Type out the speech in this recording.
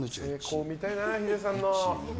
成功見たいな、ヒデさんの。